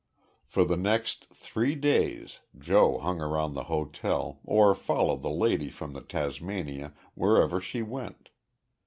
For the next three days Joe hung around the hotel or followed the lady from the Tasmania wherever she went.